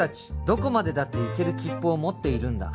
「どこまでだって行ける切符を持っているんだ」